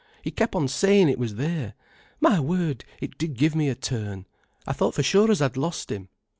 He kep' on sayin' it was there. My word, it did give me a turn. I thought for sure as I'd lost him."